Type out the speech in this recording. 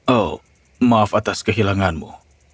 oh maaf atas kehilanganmu